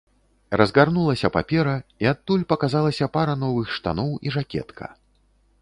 Разгарнулася папера, і адтуль паказалася пара новых штаноў і жакетка.